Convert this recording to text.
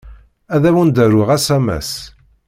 Ad awen-d-aruɣ asamas.